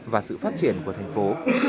và sự phát triển của thành phố